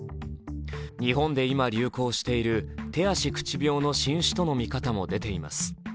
日本で今流行している手足口病の新種との見方も出ています。